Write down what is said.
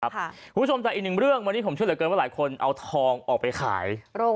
คุณผู้ชมแต่อีกหนึ่งเรื่องวันนี้ผมเชื่อเหลือเกินว่าหลายคนเอาทองออกไปขาย